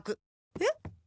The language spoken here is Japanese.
えっ？